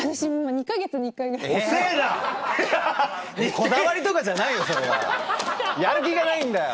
こだわりとかじゃないよ